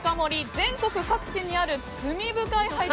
全国各地にある罪深い背徳